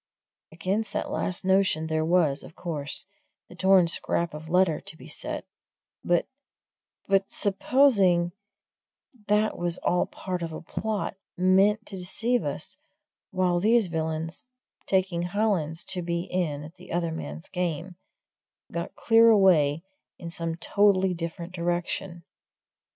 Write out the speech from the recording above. Against that last notion there was, of course, the torn scrap of letter to be set; but but supposing that was all part of a plot, meant to deceive us while these villains taking Hollins to be in at the other man's game got clear away in some totally different direction?